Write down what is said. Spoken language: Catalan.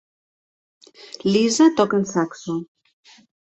Lisa toca el saxo.